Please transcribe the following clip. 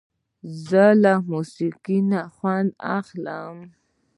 زه له موسیقۍ نه خوند اخلم.